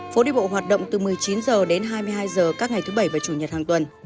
phố đi bộ hoạt động từ một mươi chín h đến hai mươi hai h các ngày thứ bảy và chủ nhật hàng tuần